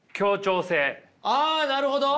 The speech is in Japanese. ああなるほど！